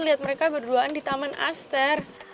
lihat mereka berduaan di taman aster